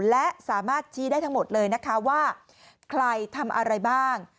และสามารถชี้ได้ทั้งหมดเลยนะคะว่าใครทำอะไรบ้าง